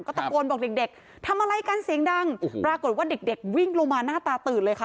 ตะโกนบอกเด็กเด็กทำอะไรกันเสียงดังปรากฏว่าเด็กเด็กวิ่งลงมาหน้าตาตื่นเลยค่ะ